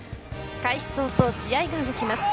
開始早々、試合が動きます。